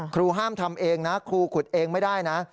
ครูห้ามทำเองนะครูขุดเองไม่ได้นะ